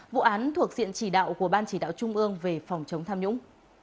vụ án thuộc diện chỉ đạo của ban chỉ đạo trung ương về phòng chống tham nhũng